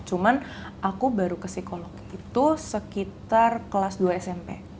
cuman aku baru ke psikolog itu sekitar kelas dua smp